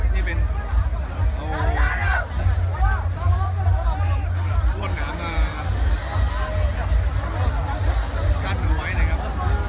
นี่เป็นโอ้วอ้วนหนามากล้าถึงไว้เลยครับ